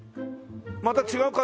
また違う形？